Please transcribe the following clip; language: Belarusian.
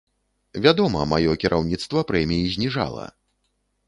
Вядома, маё кіраўніцтва прэміі зніжала.